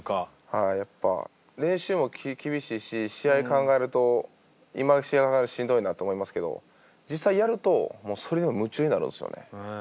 はいやっぱ練習も厳しいし試合考えると今試合はしんどいなって思いますけど実際やるともうそれに夢中になるんすよね。